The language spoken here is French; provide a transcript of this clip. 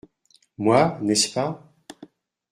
Moi, n’est-ce pas ?…